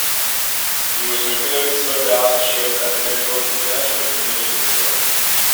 He has regularly sold-out shows at the Melbourne International Comedy Festival.